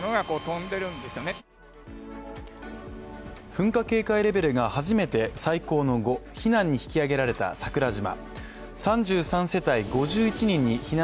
噴火警戒レベルが初めて最高の「５」避難に引き上げられた桜島。